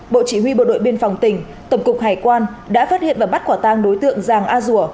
bộ chỉ huy bộ đội biên phòng tỉnh tổng cục hải quan đã phát hiện và bắt quả tang đối tượng giàng a dua